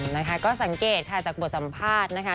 นะคะก็สังเกตค่ะจากบทสัมภาษณ์นะคะ